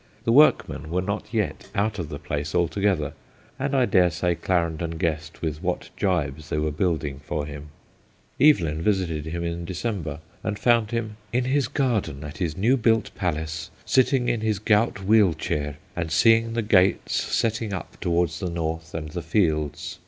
The workmen were not yet out of the place altogether, and I dare say Clarendon guessed with what gibes they were building for him. Evelyn visited CLAKENDON 21 him in December, and found him * in his garden, at his new built palace, sitting in his gowt wheel chayre, and seeing the gates setting up towards the north and the fields.